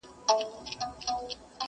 زما له لاسه په عذاب ټول انسانان دي!!